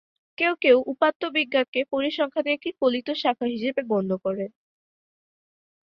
কেউ কেউ উপাত্ত বিজ্ঞানকে পরিসংখ্যানের একটি ফলিত শাখা হিসেবে গণ্য করেন।